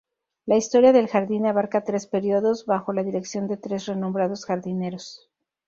La historia del jardín abarca tres períodos bajo la dirección de tres renombrados jardineros.